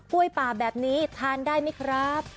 ก้วยป่าแบบนี้ทานได้มั้ยครับ